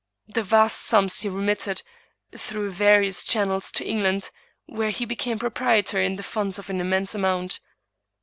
These vast sums he remitted, through various chan nels, to England, where he became proprietor in the funds to an immense amount.